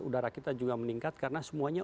udara kita juga meningkat karena semuanya